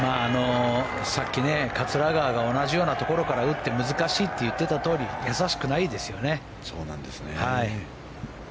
さっき、桂川が同じようなところから打って難しいって言ってたとおりやさしくないですよね。